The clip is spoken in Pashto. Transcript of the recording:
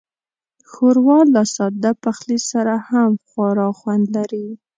ښوروا له ساده پخلي سره هم خورا خوند لري.